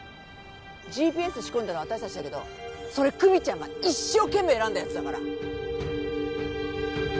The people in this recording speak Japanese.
ＧＰＳ仕込んだの私たちだけどそれ久実ちゃんが一生懸命選んだやつだから。